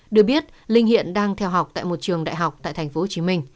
được biết linh hiện đang theo học tại một trường đại học tại tp hcm